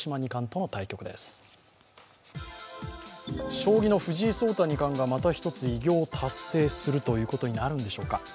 将棋の藤井聡太二冠がまた一つ偉業を達成するということになるんでしょうか。